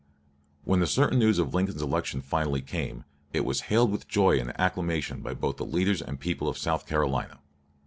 When the certain news of Lincoln's election finally came, it was hailed with joy and acclamation by both the leaders and the people of South Carolina.